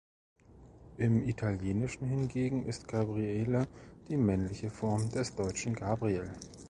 Im Italienischen hingegen ist Gabriele die männliche Form des deutschen Gabriel.